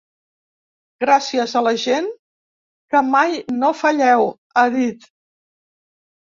Gràcies a la gent, que mai no falleu, ha dit.